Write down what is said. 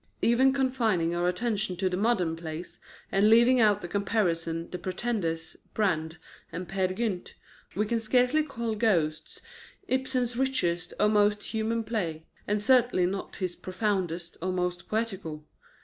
Even confining our attention to the modern plays, and leaving out of comparison The Pretenders, Brand, and Peer Gynt, we can scarcely call Ghosts Ibsen's richest or most human play, and certainly not his profoundest or most poetical.